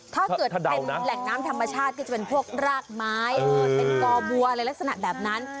ถ้าเกิดเป็นแหล่งน้ำธรรมชาติก็จะเป็นพวกรากไม้เป็นกอบัวอะไรลักษณะแบบนั้น